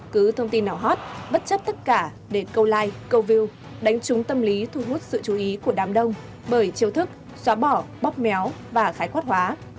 cứ thông tin nào hot bất chấp tất cả để câu like câu view đánh trúng tâm lý thu hút sự chú ý của đám đông bởi chiêu thức xóa bỏ bóp méo và khái quát hóa